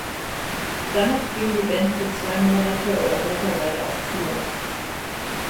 Danach ging die Band für zwei Monate europaweit auf Tour.